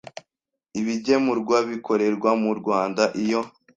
ibigemurwa bikorerwa mu Rwanda iyo